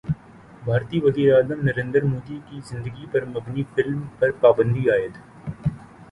بھارتی وزیراعظم نریندر مودی کی زندگی پر مبنی فلم پر پابندی عائد